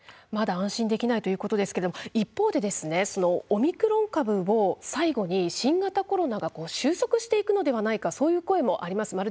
まだ安心できないということですが、一方でオミクロン株を最後に新型コロナが収束していくのではないかそういう声もあります。